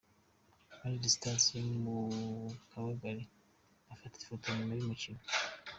United Stars yo mu Kabagali bafata ifoto nyuma y'umukino.